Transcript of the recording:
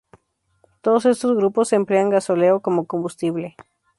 Todos estos grupos emplean gasóleo como combustible.